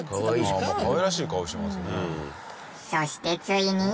そしてついに。